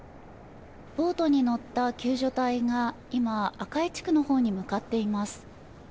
ボートに乗った救助隊が今、赤井地区のほうに向かっています。